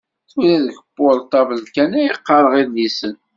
Tura deg upurṭabl kan ay qqareɣ idlisen.